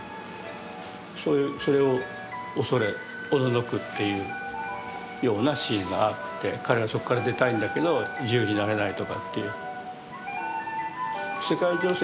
それを恐れおののくっていうようなシーンがあって彼はそこから出たいんだけど自由になれないとかという。